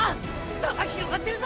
差が広がってるぞ！